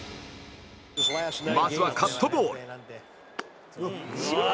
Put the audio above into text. まずはカットボール